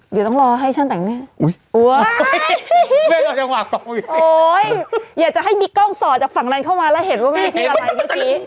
เดี๋ยวต้องรอให้ฉันแต่งเนี้ยอุ้ยโอ้ยอยากจะให้มีกล้องสอดจากฝั่งนั้นเข้ามาแล้วเห็นว่าไม่มีที่อะไร